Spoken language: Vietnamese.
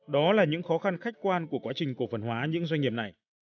đó là những khó khăn khách quan của quá trình cổ phần hóa những doanh nghiệp này